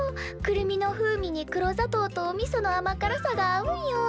くるみの風味に黒砂糖とおみそのあまからさが合うんよ。